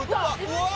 うわ！